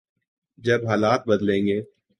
جب حالات بدلیں گے۔